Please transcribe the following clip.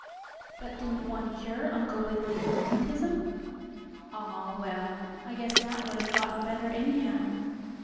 "But didn't one cure Uncle Wiggily's rheumatism?" "Aw, well, I guess that would have gotten better anyhow."